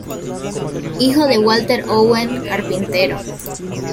Hijo de Walter Owen, carpintero.